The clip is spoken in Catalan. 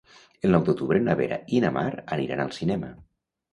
El nou d'octubre na Vera i na Mar aniran al cinema.